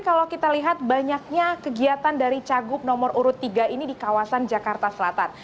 kalau kita lihat banyaknya kegiatan dari cagup nomor urut tiga ini di kawasan jakarta selatan